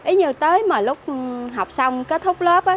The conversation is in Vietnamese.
ý như tới mà lúc học xong kết thúc lớp á